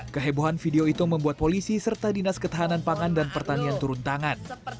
kehebohan video itu membuat polisi serta dinas ketahanan pangan dan pertanian turun tangan